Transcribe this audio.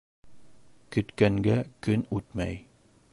Көткәнгә көн үтмәй